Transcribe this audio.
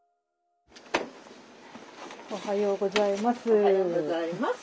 おはようございます。